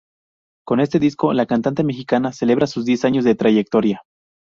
Con este disco la cantante mexicana celebra sus diez años de trayectoria.